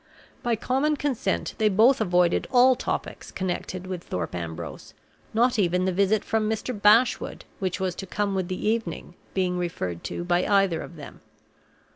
By common consent they both avoided all topics connected with Thorpe Ambrose, not even the visit from Mr. Bashwood, which was to come with the evening, being referred to by either of them.